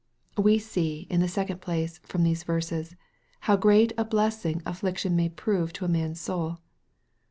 We see, in the second place, from these verses, how great a blessing affliction may prove to a man's soul.